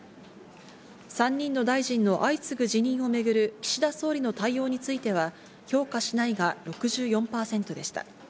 ３人の大臣の相次ぐ辞任をめぐる岸田総理の対応については、評価しないが６４％でした。